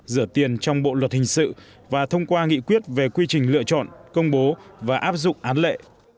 rửa tiền trong bộ luật hình sự và thông qua nghị quyết về quy trình lựa chọn công bố và áp dụng án lệ